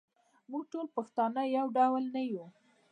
موږ ټول پښتانه یو ډول نه یوو.